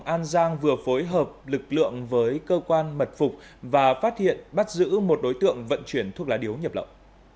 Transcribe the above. an giang vừa phối hợp lực lượng với cơ quan mật phục và phát hiện bắt giữ một đối tượng vận chuyển thuốc lá điếu nhập lậu